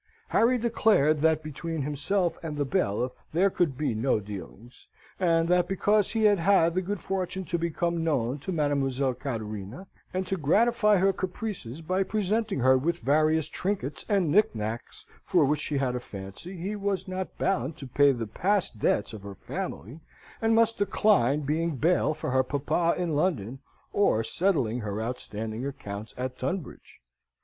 Harry declared that between himself and the bailiff there could be no dealings, and that because he had had the good fortune to become known to Mademoiselle Cattarina, and to gratify her caprices by presenting her with various trinkets and knick knacks for which she had a fancy, he was not bound to pay the past debts of her family, and must decline being bail for her papa in London, or settling her outstanding accounts at Tunbridge.